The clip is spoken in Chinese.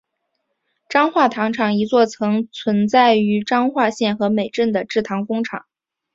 彰化糖厂一座曾存在于彰化县和美镇的制糖工厂。